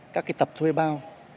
các cái tập thuê bao